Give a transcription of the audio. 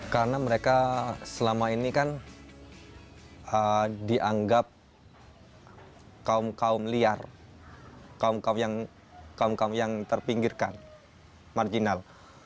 karena mereka selama ini kan dianggap kaum kaum liar kaum kaum yang terpinggirkan marginal